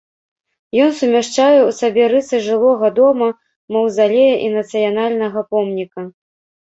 Ён сумяшчае ў сабе рысы жылога дома, маўзалея і нацыянальнага помніка.